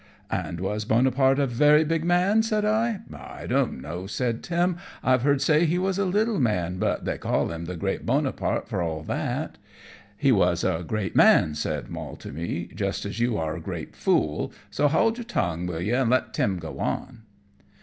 "And was Boneparte a very big man?" said I. "I don't know," said Tim; "I've heard say he was a little man, but they call him the great Boneparte for all that." "He was a great man," said Moll to me, "just as you are a great fool, so hauld yer tongue, will ye, and let Tim go on."